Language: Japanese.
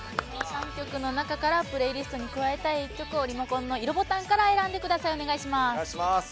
３曲の中からプレイリストに加えたい１曲をリモコンの色ボタンから選んでください。